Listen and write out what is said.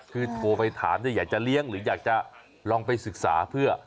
คือโทรไปถามเนี่ยอยากจะเลี้ยงหรืออยากจะลองไปศึกษาเพื่อ